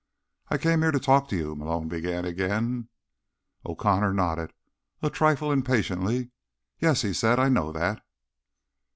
"I came here to talk to you," Malone began again. O'Connor nodded, a trifle impatiently. "Yes," he said. "I know that."